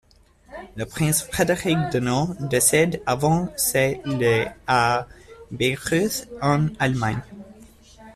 Le prince Frédéric de Nore décède avant ses le à Bayreuth en Allemagne.